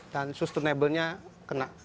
dan sustainablenya kena